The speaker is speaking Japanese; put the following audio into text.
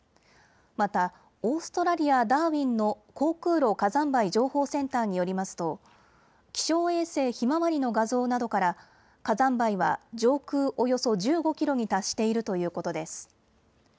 またオーストラリア・ダーウィンの航空路火山灰情報センターによりますと気象衛星ひまわりの画像などから火山灰は上空およそ１５キロに達しているということです。